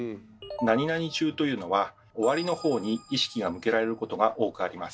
「中」というのは「終わり」の方に意識が向けられることが多くあります。